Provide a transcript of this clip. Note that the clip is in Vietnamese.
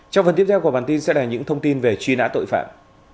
trong phần tiếp theo của bản tin sẽ là những thông tin về truy nã tội phạm